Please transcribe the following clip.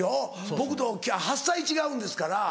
僕と８歳違うんですから。